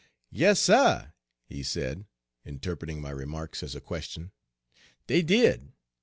"Yas, suh," he said, interpreting my remarks as a question, "dey did.